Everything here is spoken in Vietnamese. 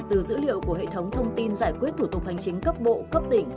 từ dữ liệu của hệ thống thông tin giải quyết thủ tục hành chính cấp bộ cấp tỉnh